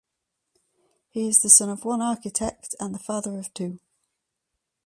He is the son of one architect and the father of two.